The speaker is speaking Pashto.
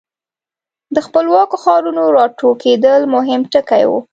د خپلواکو ښارونو را ټوکېدل مهم ټکي وو.